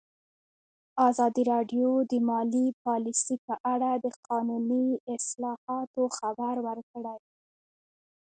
ازادي راډیو د مالي پالیسي په اړه د قانوني اصلاحاتو خبر ورکړی.